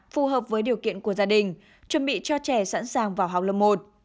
phù hợp với điều kiện của gia đình chuẩn bị cho trẻ sẵn sàng vào học lớp một